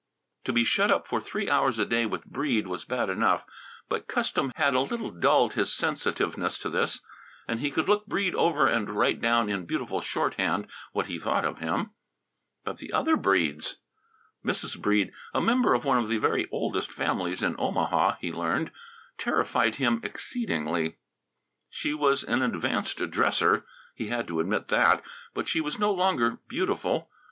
To be shut up for three hours a day with Breede was bad enough, but custom had a little dulled his sensitiveness to this. And he could look Breede over and write down in beautiful shorthand what he thought of him. But the other Breedes! Mrs. Breede, a member of one of the very oldest families in Omaha, he learned, terrified him exceedingly. She was an advanced dresser he had to admit that but she was no longer beautiful.